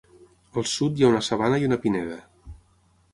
Al sud hi ha una sabana i una pineda.